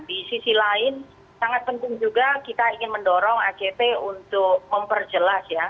di sisi lain sangat penting juga kita ingin mendorong act untuk memperjelas ya